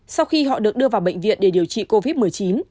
sau khi họ được đưa vào bệnh viện để điều trị covid một mươi chín